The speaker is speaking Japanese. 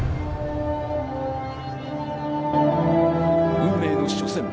運命の初戦。